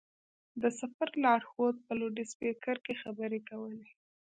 د سفر لارښود په لوډسپېکر کې خبرې کولې.